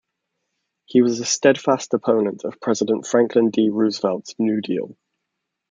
He was a steadfast opponent of President Franklin D. Roosevelt's New Deal.